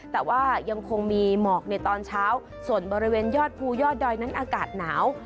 แต่ว่ายังคงมีหมอกในตอนเช้าส่วนบริเวณยอดภูยอดดอยนั้นอากาศหนาว